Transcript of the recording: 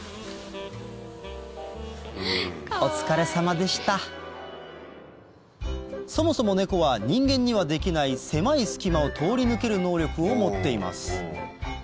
お疲れさまでしたそもそもネコは人間にはできない狭い隙間を通り抜ける能力を持っています